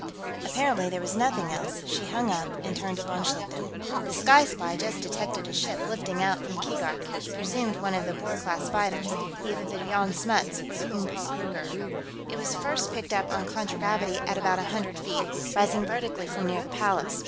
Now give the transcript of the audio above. Apparently there was nothing else. She hung up, and turned to von Schlichten. "The Sky Spy just detected a ship lifting out from Keegark, presumed one of the Boer class freighters, either the Jan Smuts or the Oom Paul Kruger. It was first picked up on contragravity at about a hundred feet, rising vertically from near the Palace.